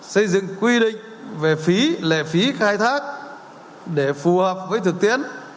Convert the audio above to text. xây dựng quy định về phí lệ phí khai thác để phù hợp với thực tiễn